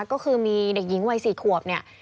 ก็คือมีเด็กหญิงวัย๔ขวบเนี่ย